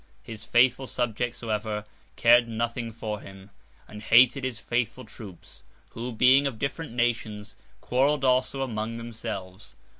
His faithful subjects, however, cared nothing for him, and hated his faithful troops: who, being of different nations, quarrelled also among themselves.